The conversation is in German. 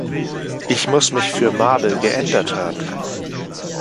Ich muss mich für Mabel geändert haben!